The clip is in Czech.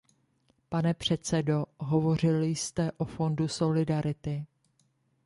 Pane předsedo, hovořil jste o Fondu solidarity.